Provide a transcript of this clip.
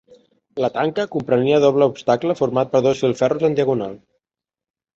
La tanca comprenia doble obstacle format per dos filferros en diagonal.